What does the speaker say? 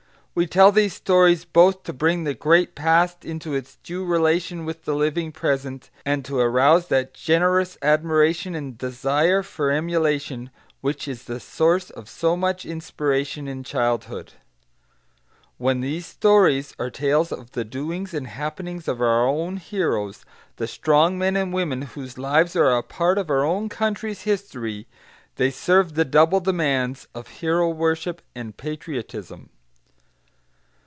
We tell these stories, both to bring the great past into its due relation with the living present, and to arouse that generous admiration and desire for emulation which is the source of so much inspiration in childhood. When these stories are tales of the doings and happenings of our own heroes, the strong men and women whose lives are a part of our own country's history, they serve the double demands of hero worship and patriotism.